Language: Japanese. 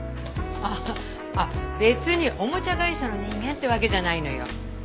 ああ別におもちゃ会社の人間ってわけじゃないのよ。